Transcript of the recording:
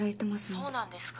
そうなんですか。